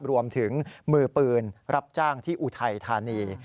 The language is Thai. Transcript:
รวมถึงมือปืนรับจ้างที่อุทัยธานี